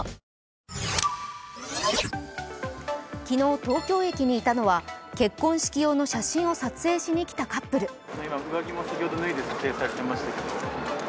昨日、東京駅にいたのは結婚式用の写真を撮影しに来たカップル。